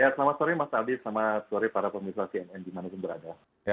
selamat sore mas ali selamat sore para pemilu kmn di mana pun berada